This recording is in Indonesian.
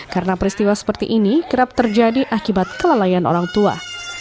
karena peristiwa seperti ini kerap terjadi akibat kelelayan orang tua